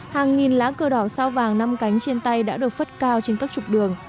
hàng nghìn lá cờ đỏ sao vàng năm cánh trên tay đã được phất cao trên các trục đường